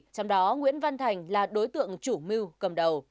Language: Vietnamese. trong đó nguyễn văn thành là đối tượng chủ mưu cầm đầu